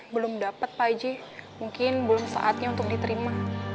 belum dapet pak eji mungkin belum saatnya untuk diterima